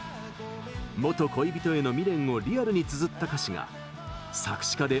元恋人への未練をリアルにつづった歌詞が作詞家で